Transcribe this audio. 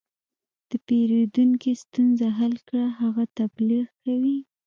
د پیرودونکي ستونزه حل کړه، هغه تبلیغ کوي.